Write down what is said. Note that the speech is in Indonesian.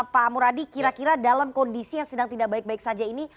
pak muradi kira kira dalam kondisi yang sedang tidak baik baik saja ini